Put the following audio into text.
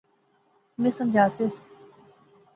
میں سمجھاسیس